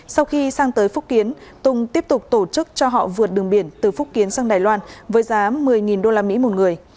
sau khi sang tới phúc kiến tùng tiếp tục tổ chức cho họ vượt đường biển từ phúc kiến sang đài loan với giá một mươi usd một người